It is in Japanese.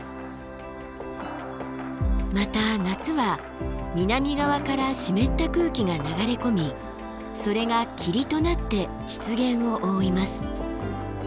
また夏は南側から湿った空気が流れ込みそれが霧となって湿原を覆います。